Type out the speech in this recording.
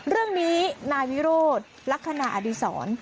เรื่องนี้นายวิโรธลักษณะอดีศร